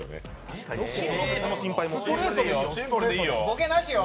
ボケなしよ。